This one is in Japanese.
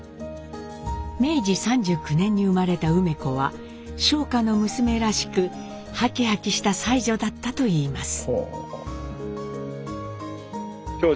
明治３９年に生まれた梅子は商家の娘らしくハキハキした才女だったといいます。